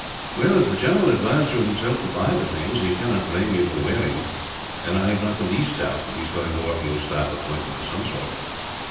"Well, as the general advised you himself to buy the things, he cannot blame you for wearing them; and I have not the least doubt that he is going to offer you a staff appointment of some sort."